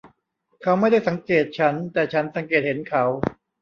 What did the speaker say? เขาไม่ได้สังเกตฉัน แต่ฉันสังเกตเห็นเขา